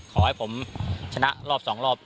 ขอให้ผมชนะรอบ๒รอบ